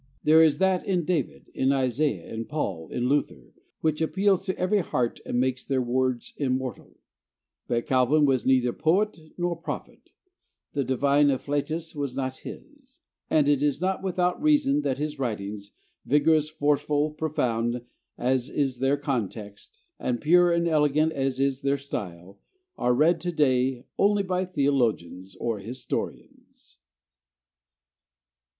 There is that in David, in Isaiah, in Paul, in Luther, which appeals to every heart and makes their words immortal; but Calvin was neither poet nor prophet, the divine afflatus was not his, and it is not without reason that his writings, vigorous, forceful, profound, as is their context, and pure and elegant as is their style, are read to day only by theologians or historians.